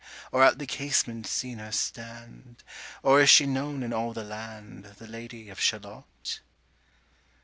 Or at the casement seen her stand? 25 Or is she known in all the land, The Lady of Shalott?